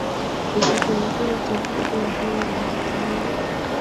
wa kushughulikia uchafuzi wa hewa unatekelezwa